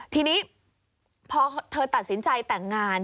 ทีนี้พอเธอตัดสินใจแต่งงาน